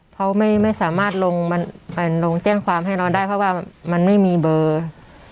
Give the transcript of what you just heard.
เขาไม่สามารถลงแจ้งความให้เราได้เพราะว่ามันไม่มีเบอร์